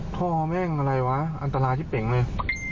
พ่อแม่งอะไรวะอันตรายที่เป๋งเลย